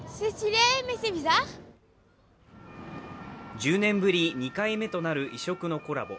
１０年ぶり２回目となる異色のコラボ。